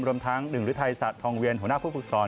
รวมทั้งหนึ่งฤทัยศาสตร์ทองเวียนหัวหน้าผู้ฟึกษร